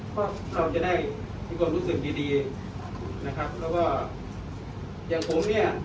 ก็เราจะได้มีความรู้สึกดีดีนะครับแล้วก็อย่างผมเนี่ย